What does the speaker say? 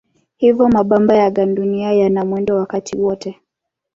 Hivyo mabamba ya gandunia yana mwendo wakati wote.